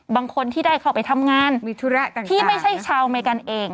บางคนที่ได้เข้าไปทำงานที่ไม่ใช่ชาวอเมริกันเอง